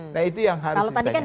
nah itu yang harus kita